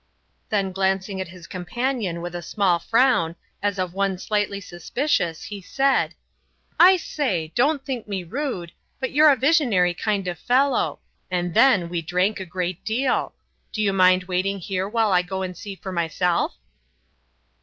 Then glancing at his companion with a small frown, as of one slightly suspicious, he said: "I say, don't think me rude but you're a visionary kind of fellow and then we drank a great deal. Do you mind waiting here while I go and see for myself?"